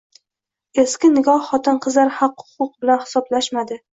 Eski nikoh xotin-qizlar haq-huquqi bilan hisoblashmadi.